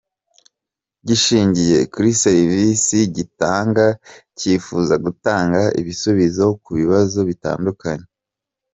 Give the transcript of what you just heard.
Gishingiye kuri serivisi gitanga cyifuza gutanga ibisubizo ku bibazo bitandukanye.